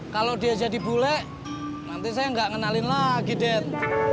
kalau dia jadi bule nanti saya nggak kenalin lagi den